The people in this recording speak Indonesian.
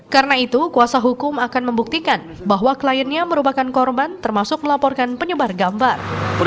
karena itu kuasa hukum akan membuktikan bahwa kliennya merupakan korban termasuk melaporkan penyebar gambar